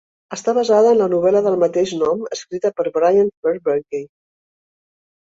Està basada en la novel·la del mateix nom escrita per Brian Fair Berkey.